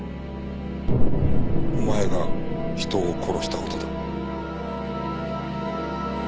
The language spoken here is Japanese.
お前が人を殺した事だ。